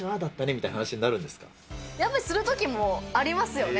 みたいなやっぱりするときもありますよね。